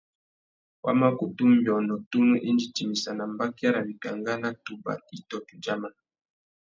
Wa má kutu nʼbiônô tunu indi timissana mbakia râ wikangá nà tubà itô tudjaman.